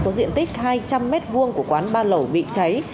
có diện tích hai trăm linh m hai của quán ba lẩu bị cháy